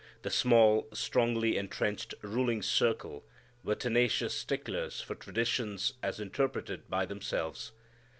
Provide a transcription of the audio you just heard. The small, strongly entrenched ruling circle were tenacious sticklers for traditions as interpreted by themselves.